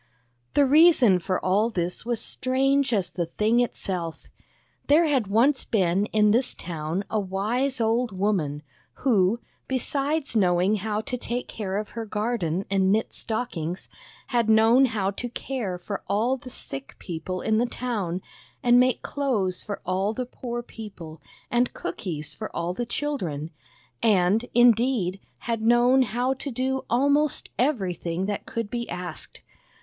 The reason for all this was strange as the thing itself. There had once been in this town a wise old woman, who, besides knowing how to take care of her garden and knit stockings, had known how to care for all the sick people in the town, and make clothes for all the poor people, and cookies for all the children, and, indeed, had known how to do almost everything that could be asked.